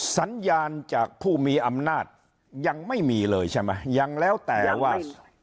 สัญญาณจากผู้มีอำนาจยังไม่มีเลยใช่ไหมยังแล้วแต่ว่า